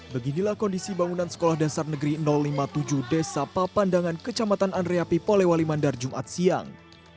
beginilah kondisi bangunan sekolah dasar negeri lima puluh tujuh desa papandangan kecamatan andriapi polewali mandar jumat siang